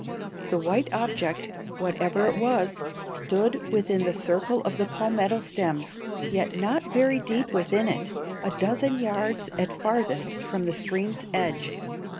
The white object, whatever it was, stood within the circle of the palmetto stems, yet not very deep within it a dozen yards at farthest from the stream's edge.